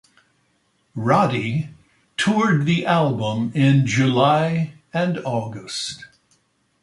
Roddy toured the album in July and August.